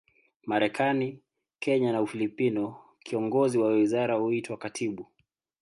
Marekani, Kenya na Ufilipino, kiongozi wa wizara huitwa katibu.